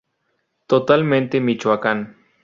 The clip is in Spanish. Totalmente Michoacán.